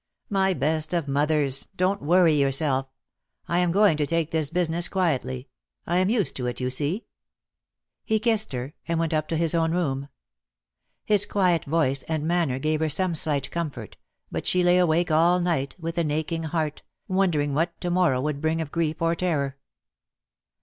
J '_'':.:•,..•.•' "My best of mothers, don't worry yourself. I am going to take this business quietly. I am used to it, you see." He kissed her, and went up to his own room. His quiet voice and manner gave her some slight comfort, but she lay awake all night, with an aching heart, wondering what to morrow would bring of grief or terror.